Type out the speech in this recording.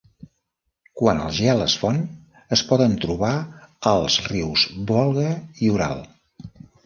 Quan el gel es fon es poden trobar als rius Volga i Ural.